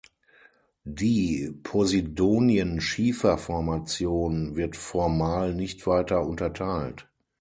Die Posidonienschiefer-Formation wird formal nicht weiter unterteilt.